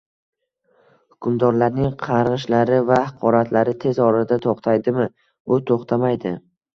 hukmdorlarning qarg'ishlari va haqoratlari tez orada to'xtaydimi? Bu to'xtamaydi